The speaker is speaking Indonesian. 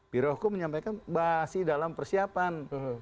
birohukum menyampaikan masih dalam persiapan